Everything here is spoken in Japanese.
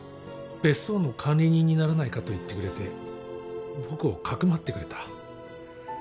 別荘の管理人にならないかと言ってくれて僕をかくまってくれた。